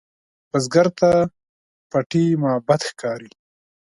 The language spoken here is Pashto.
بزګر ته پټي معبد ښکاري